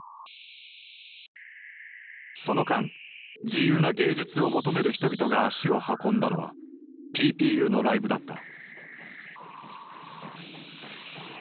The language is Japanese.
その間自由な芸術を求める人々が足を運んだのはＰＰＵのライブだった。